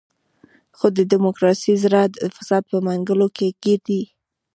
خو د ډیموکراسۍ زړه د فساد په منګولو کې ګیر دی.